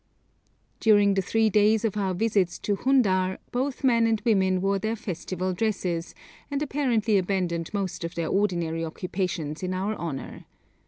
During the three days of our visits to Hundar both men and women wore their festival dresses, and apparently abandoned most of their ordinary occupations in our honour.